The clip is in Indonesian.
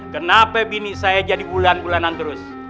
kenapa bini saya jadi bulan bulanan terus